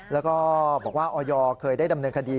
แล้วก็บอกว่าออยเคยได้ดำเนินคดี